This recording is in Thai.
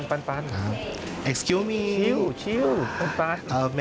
เราจะมาคุยกับน้องปันนะฮะ